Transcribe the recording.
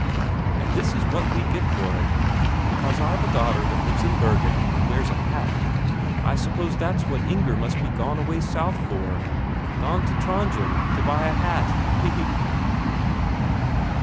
And this is what we get for it. Because I've a daughter that lives in Bergen and wears a hat, I suppose that's what Inger must be gone away south for; gone to Trondhjem to buy a hat, he he!"